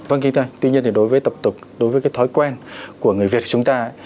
vâng kinh tuy nhiên thì đối với tập tục đối với cái thói quen của người việt chúng ta